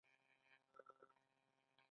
د اسطوخودوس غوړي د څه لپاره وکاروم؟